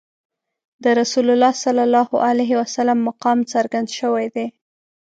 د رسول الله صلی الله علیه وسلم مقام څرګند شوی دی.